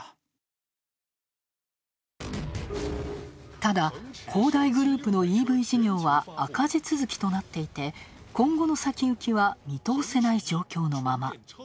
ただ、恒大グループのＥＶ事業は赤字続きとなっていて今後の先行きは見通せない状況のまま。